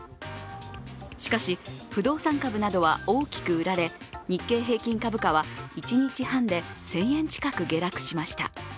しかし、不動産株などは大きく売られ日経平均株価は１日半で１０００円近く下落しました。